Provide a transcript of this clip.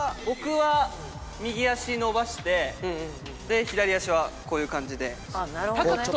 僕は右足伸ばして左足はこういう感じで。